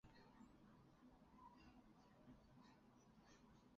角色设计由板仓耕一担当。